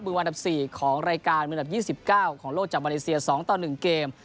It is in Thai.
มือวันดับ๔ของรายการมือวันดับ๒๙ของโลกจับวาเลเซีย๒๑เกม